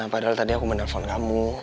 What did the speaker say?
padahal tadi aku menelpon kamu